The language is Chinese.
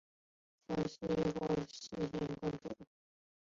和硕悫靖公主。